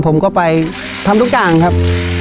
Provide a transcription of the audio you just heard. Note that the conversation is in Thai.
ผมก็ไปทำทุกอย่างครับ